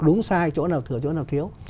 đúng sai chỗ nào thử chỗ nào thiếu